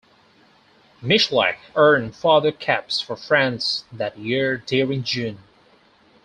Michalak earned further caps for France that year during June.